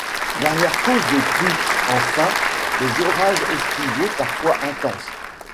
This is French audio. Dernière cause de crue, enfin, les orages estivaux parfois intenses.